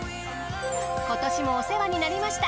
今年もお世話になりました。